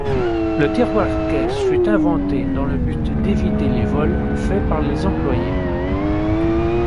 Le tiroir-caisse fut inventé dans le but d'éviter les vols faits par les employés.